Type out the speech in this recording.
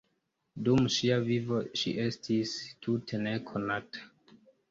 Dum ŝia vivo, ŝi estis tute nekonata.